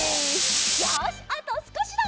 よしあとすこしだ！